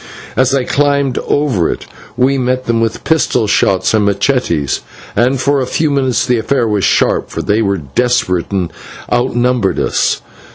As they climbed over it we met them with pistol shots and /machetes/, and for a few minutes the affair was sharp, for they were desperate, and outnumbered us.